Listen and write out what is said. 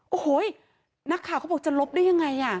โอ้โหนักข่าวเขาบอกจะลบได้ยังไง